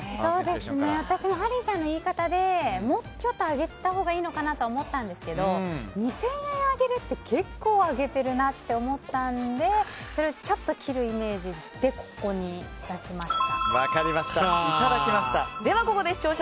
私もハリーさんの言い方でもうちょっと上げたほうがいいのかなと思ったんですけど２０００円上げるって結構、上げてるなと思ったのでそれをちょっと切るイメージでここに出しました。